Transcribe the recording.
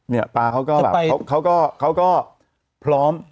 เนี่ยป้าเขาก็แบบเขาก็พร้อม